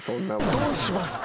どうしますか？